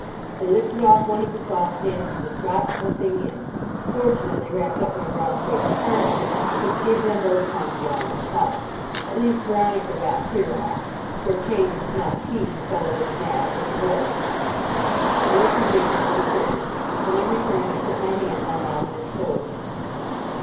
"They lifted off one of the saucepans and just dropped the thing in—fortunately wrapped up in a brown paper parcel, which gave them both time to get out of the house. At least Veronica got clear off. For a change it was not she who fell over the mat, it was the boy." I looked again into the kitchen; then I returned and put my hands on Robina's shoulders.